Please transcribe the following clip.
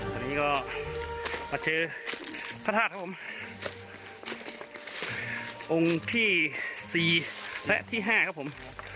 ตอนนี้ก็มาเจอพระธาตุครับผมองค์ที่๔และที่๕ครับผม